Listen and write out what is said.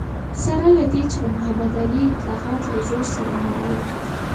سره له دې چې د محمد علي اصلاحات له زور سره مل و.